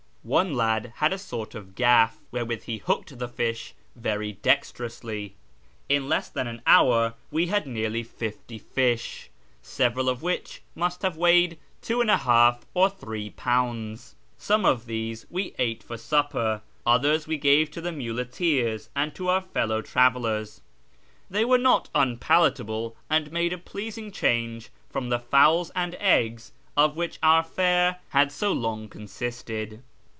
One lad had a sort of gaff wherewith he hooked the fish very dexterously. In less than an hour we had nearly fifty fish, several of which must have weighed 2 0 or 3 lbs. Some of these we ate for supper ; others we gave to the muleteers and to our fellow travellers. They were not unpalatable, and made a pleasing change from the fowls and eggs of which our fare had so long consisted.